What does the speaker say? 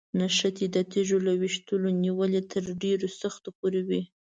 نښتې د تیږو له ویشتلو نیولې تر ډېرو سختو پورې وي.